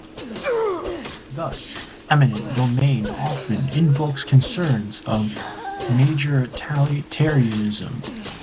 Thus, eminent domain often invokes concerns of majoritarianism.